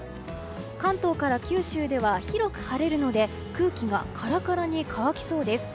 関東から九州では広く晴れるので空気がカラカラに乾きそうです。